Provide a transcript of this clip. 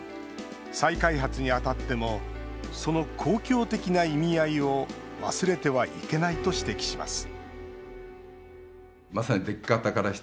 再開発にあたってもその公共的な意味合いを忘れてはいけないと指摘します